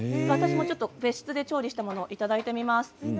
私も別室で調理したものをいただいてみます。